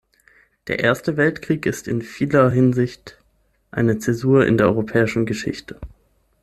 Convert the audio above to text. Der Erste Weltkrieg ist in vieler Hinsicht eine Zäsur in der europäischen Geschichte.